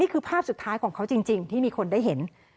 ภาพสุดท้ายของเขาจริงที่มีคนได้เห็น